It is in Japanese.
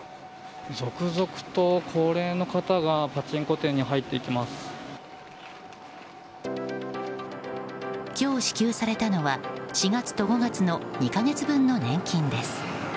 続々と高齢の方がパチンコ店に今日支給されたのは４月と５月の２か月分の年金です。